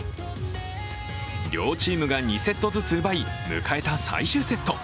両チームが２セットずつ奪い、迎えた最終セット。